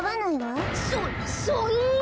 そそんな！